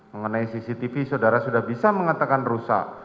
mengenai cctv saudara sudah bisa mengatakan rusak